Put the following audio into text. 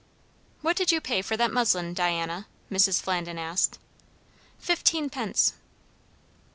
"What did you pay for that muslin, Diana?" Mrs. Flandin asked. "Fifteenpence."